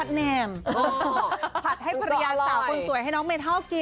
เดี๋ยวก๑๙๒อาหาร